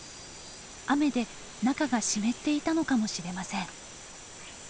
雨で中が湿っていたのかもしれません。